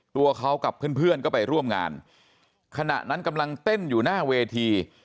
ตัวเขากับเพื่อนเพื่อนก็ไปร่วมงานขณะนั้นกำลังเต้นอยู่หน้าเวที